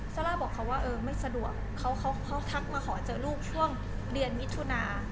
ซาร่าบอกเขาว่าเออไม่สะดวกเขาทักมาขอเจอลูกช่วงเดือนมิถุนา